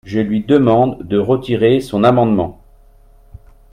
Je lui demande de retirer son amendement.